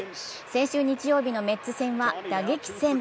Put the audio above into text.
先週日曜日のメッツ戦は打撃戦。